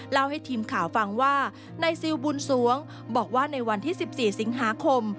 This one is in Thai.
ให้ทีมข่าวฟังว่านายซิลบุญสวงบอกว่าในวันที่๑๔สิงหาคม